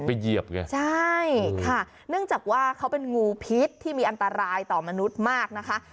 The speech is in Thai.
เหยียบไงใช่ค่ะเนื่องจากว่าเขาเป็นงูพิษที่มีอันตรายต่อมนุษย์มากนะคะ